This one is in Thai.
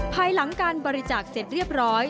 ภายหลังการบริจาคเสร็จเรียบร้อย